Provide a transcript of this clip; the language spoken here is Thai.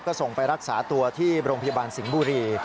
ก็ส่งไปรักษาตัวที่โรงพยาบาลสิงห์บุรี